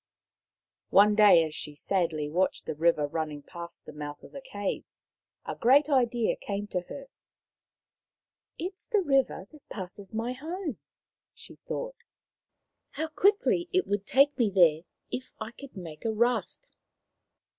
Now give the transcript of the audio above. One day, as she sadly watched the river running past the mouth of the cave, a great idea came to her. " It is the river that passes my home," she thought. " How quickly it would take me there. If I could make a raft